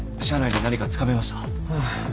社内で何かつかめました？ああ。